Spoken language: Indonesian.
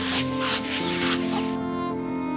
agar tidak terjadi keguguran